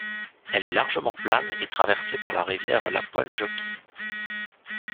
Elle est largement plane et traversée par la rivière Lapuanjoki.